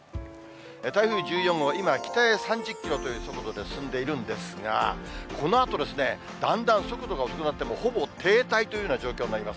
台風１４号、今、北へ３０キロという速度で進んでいるんですが、このあと、だんだん速度が遅くなって、ほぼ停滞というような状況になります。